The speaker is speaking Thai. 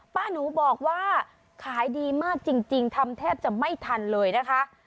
ป้าหนูบอกว่าขายดีมากจริงทำแทบจะไม่ทันเลยนะคะ